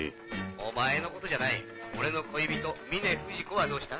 お前のことじゃない俺の恋人峰不二子はどうした？